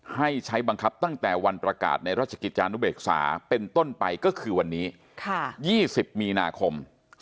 ให้ใช้บังคับตั้งแต่วันประกาศในราชกิจจานุเบกษาเป็นต้นไปก็คือวันนี้๒๐มีนาคม๒๕๖